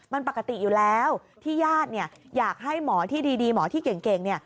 มันปกติอยู่แล้วที่ญาติอยากให้หมอที่ดีหมอที่เก่งเนี่ย